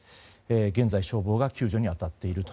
現在、消防が救助に当たっていると。